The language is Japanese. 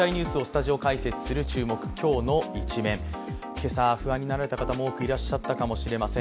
今朝、不安になられた方も多くいらっしゃったかもしれません。